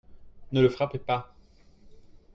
Ne le frappez pas.